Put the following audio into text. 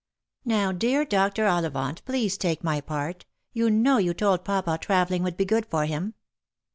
Now, dear Dr. Ollivant, please take my part. You know you told papa travelling would be good for him."